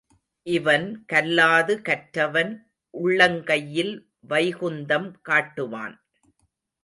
இவன் கல்லாது கற்றவன் உள்ளங்கையில் வைகுந்தம் காட்டுவான்.